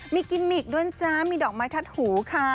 มีกิมมิกด้วยจ๊ะมีดอกไม้ทัดหูค่ะ